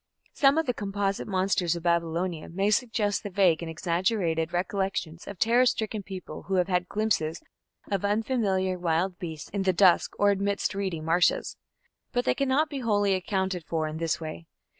Some of the composite monsters of Babylonia may suggest the vague and exaggerated recollections of terror stricken people who have had glimpses of unfamiliar wild beasts in the dusk or amidst reedy marshes. But they cannot be wholly accounted for in this way.